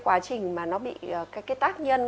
quá trình mà nó bị cái tác nhân